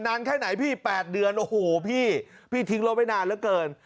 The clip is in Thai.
นานแค่ไหนพี่๘เดือนโอ้โหพี่พี่ทิ้งรถไว้นานเหลือเกิน